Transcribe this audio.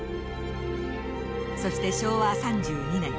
そして昭和３２年。